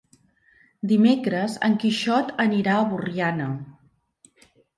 Dimecres en Quixot anirà a Borriana.